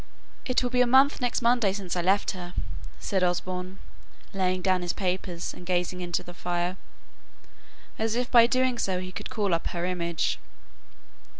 "It will be a month next Monday since I left her," said Osborne, laying down his papers and gazing into the fire, as if by so doing he could call up her image.